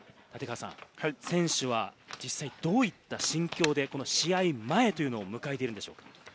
選手は実際どういった心境で試合前を迎えているんでしょう？